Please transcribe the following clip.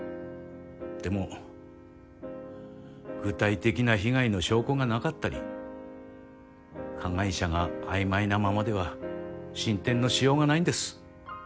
でも具体的な被害の証拠がなかったり加害者が曖昧なままでは進展のしようがないんです。